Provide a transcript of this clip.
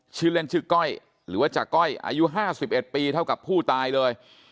ชื่อเล่นชื่อก้อยหรือว่าจากก้อยอายุ๕๑ปีเท่ากับผู้ตายเลย